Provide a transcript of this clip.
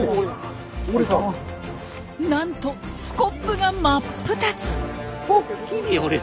なんとスコップが真っ二つ！